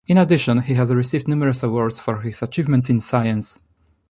In addition, he has received numerous awards for his achievements in science.